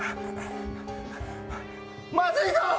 まずいぞ！